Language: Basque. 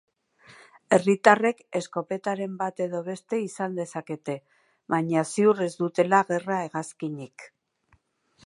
Herritarrek eskopetaren bat edo beste izan dezakete, baina ziur ez dutela gerra-hegazkinik.